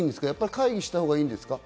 会議したほうがいいんですか？